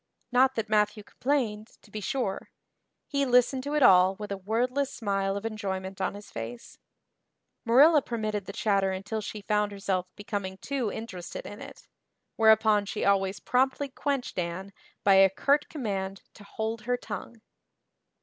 Not that Matthew complained, to be sure; he listened to it all with a wordless smile of enjoyment on his face; Marilla permitted the "chatter" until she found herself becoming too interested in it, whereupon she always promptly quenched Anne by a curt command to hold her tongue.